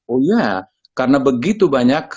oh ya karena begitu banyak